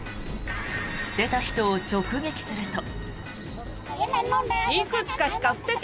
捨てた人を直撃すると。